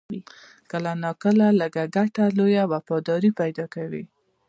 کله ناکله لږ ګټه، لویه وفاداري پیدا کوي.